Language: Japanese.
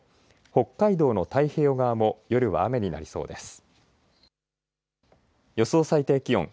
北海道の太平洋側も夜は雨になりそうです。